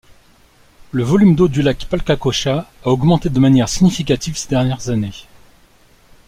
Le volume d'eau du lac Palcacocha a augmenté de manière significative ces dernières années.